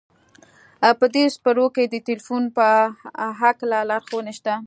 په دې څپرکو کې د تلقین په هکله لارښوونې شته